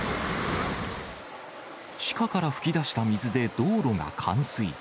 地下から噴き出した水で道路が冠水。